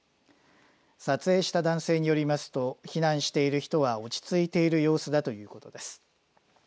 撮影した男性によりますと避難している人は落ち着いている様子だということです。